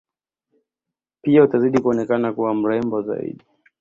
Pia utazidi kuonekana kuwa mrembo zaidi